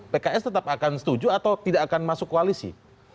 pks tetap akan setuju atau tidak akan masuk koalisi